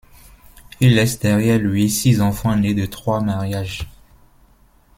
Il laisse derrière lui six enfants nés de trois mariages.